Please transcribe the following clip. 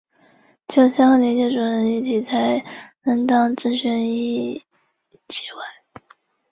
在多株反应中制造的抗体称为多株抗体。